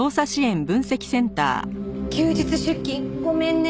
休日出勤ごめんね。